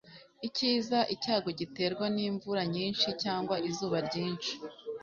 ikiza icyago giterwa n'imvura nyinshi cyangwa izuba ryinshi